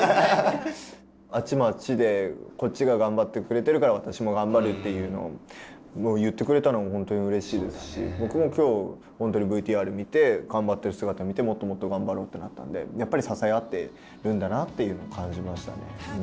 あっちもあっちでこっちが頑張ってくれてるから私も頑張るっていうのを言ってくれたのもほんとにうれしいですし僕も今日ほんとにＶＴＲ見て頑張ってる姿見てもっともっと頑張ろうってなったんでやっぱり支え合ってるんだなっていうのを感じましたね。